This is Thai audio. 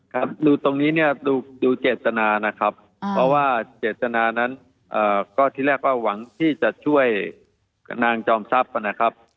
ครับดูตรงนี้เนี่ยดูเจตนานะครับเพราะว่าเจตนานั้นก็ที่แรกว่าหวังที่จะช่วยนางจอมทรัพย์นะครับ